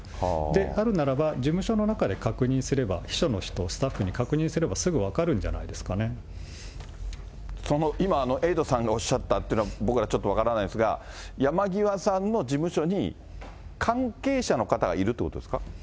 であるならば、事務所の中で確認すれば、秘書の人、スタッフに確認すればすぐ分その今、エイトさんがおっしゃったっていうのは、僕らちょっと分からないんですが、山際さんの事務所に、関係者の方がいるっていうことですか？